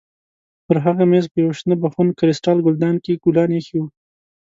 پر هغه مېز په یوه شنه بخون کریسټال ګلدان کې ګلان ایښي وو.